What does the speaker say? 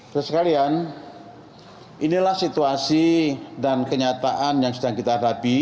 terus sekalian inilah situasi dan kenyataan yang sedang kita hadapi